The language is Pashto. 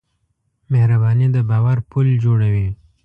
مهرباني د باور پُل جوړوي.